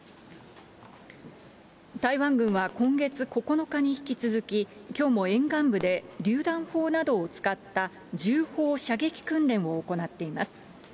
台湾軍は今月９日に引き続き、きょうも沿岸部でりゅう弾砲などを使った重砲射撃訓練を行っています。